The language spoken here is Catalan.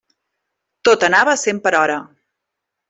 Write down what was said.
Tot anava a cent per hora.